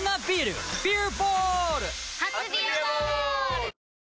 初「ビアボール」！